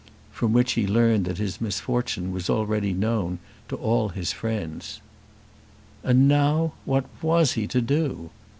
From which he learned that his misfortune was already known to all his friends. And now what was he to do?